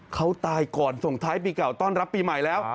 เขาตายก่อนส่งท้ายปีเก่าต้อนรับปีใหม่แล้ว